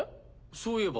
そういえば。